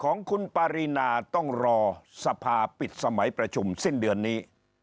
ของคุณปารีนาต้องรอสภาปิดสมัยประชุมสิ้นเดือนนี้